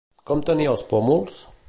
Com tenia els pòmuls?